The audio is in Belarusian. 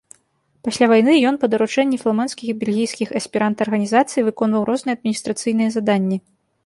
Пасля вайны ён, па даручэнні фламандскіх і бельгійскіх эсперанта арганізацый, выконваў розныя адміністрацыйныя заданні.